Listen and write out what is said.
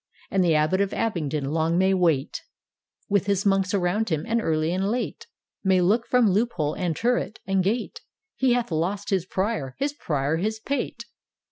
And the ^>bot of Abingdon long may wait. D,gt,, erihyGOOgle The Haunted Hour With his monks around him, and early and late. May look from loop hole, and turret, and gate. He hath lost hts Prior — his Prior his pate!